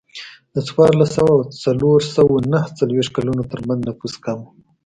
د څلور سوه او څلور سوه نهه څلوېښت کلونو ترمنځ نفوس کم و